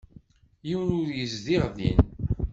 Yiwen ur yezdiɣ din.